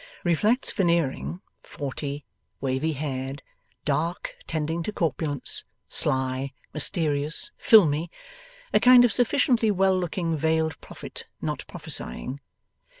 Reflects Veneering; forty, wavy haired, dark, tending to corpulence, sly, mysterious, filmy a kind of sufficiently well looking veiled prophet, not prophesying.